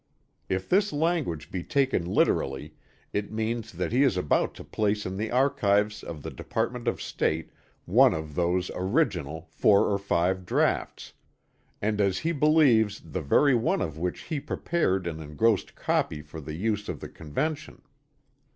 If this language be taken literally it means that he is about to place in the archives of the Department of State one of those "original" "4 or 5 draughts" and as he believes the very one of which he prepared an engrossed copy for the use of the Convention.